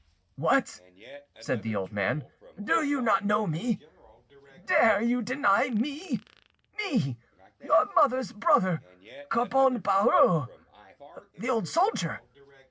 "What!" said the old man, "do you not know me? Dare you deny me?—me, your mother's brother, Carbon Barreau, the old soldier!